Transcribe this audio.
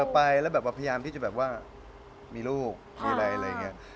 ไปแล้วพยายามที่จะแบบว่ามีลูกมีอะไรอะไรเงี้ย